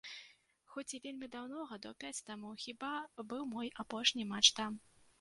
Хоць і вельмі даўно, гадоў пяць таму, хіба, быў мой апошні матч там.